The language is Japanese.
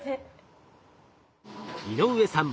井上さん